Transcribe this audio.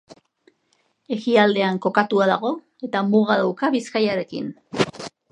Ekialdean kokatua dago eta muga dauka Bizkaiarekin.